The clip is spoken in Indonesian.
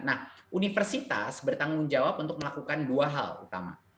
nah universitas bertanggung jawab untuk melakukan dua hal utama